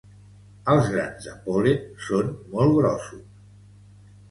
Els grans de pol·len són molt grossos.